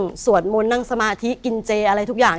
สวดมนต์นั่งสมาธิกินเจอะไรทุกอย่าง